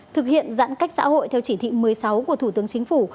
thực hiện giãn cách xã hội theo chỉ thị một mươi sáu của thủ tướng chính phủ